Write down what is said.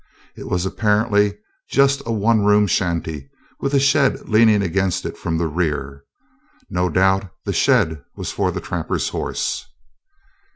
It was apparently just a one room shanty with a shed leaning against it from the rear. No doubt the shed was for the trapper's horse.